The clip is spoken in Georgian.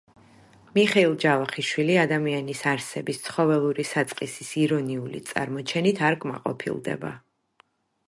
მიხეილ ჯავახიშვილი ადამიანის არსების ცხოველური საწყისის ირონიული წარმოჩენით არ კმაყოფილდება.